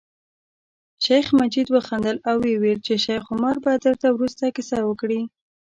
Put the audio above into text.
شیخ مجید وخندل او ویل یې شیخ عمر به درته وروسته کیسه وکړي.